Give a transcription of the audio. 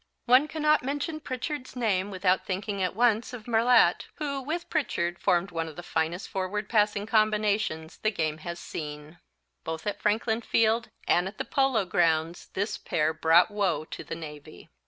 One cannot mention Prichard's name without thinking at once of Merillat, who, with Prichard, formed one of the finest forward passing combinations the game has seen. Both at Franklin Field and at the Polo Grounds this pair brought woe to the Navy.